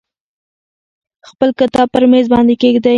خپل کتاب پر میز باندې کیږدئ.